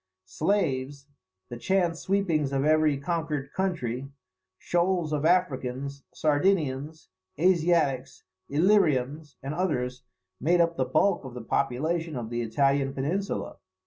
Slaves, the chance sweepings of every conquered country, shoals of Africans, Sardinians, Asiatics, Illyrians, and others, made up the bulk of the population of the Italian peninsula.